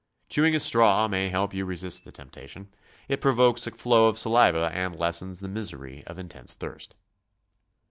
Chew ing a straw ma}^ help you to resist temptation; it provokes a flow of saliva and lessens the misery of intense thirst.